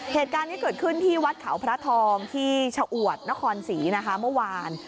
เหตุการณ์นี้เกิดขึ้นที่วัดเขาพระทองที่ชะอวดนครศรีนะคะเมื่อวาน